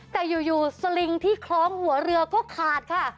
แต่อยู่สลิงที่คล้องหัวเรือก็ขาดค่ะ